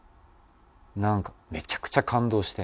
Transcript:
なんかめちゃくちゃ感動して。